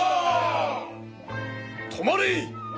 止まれ！